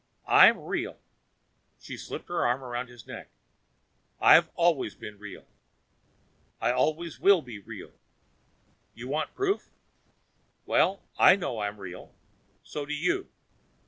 "I'm real." She slipped her arms around his neck. "I've always been real. I always will be real. You want proof? Well, I know I'm real. So do you.